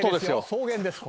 「草原です